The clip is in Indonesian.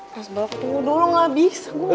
mas bapak tunggu dulu gak bisa gue gak bisa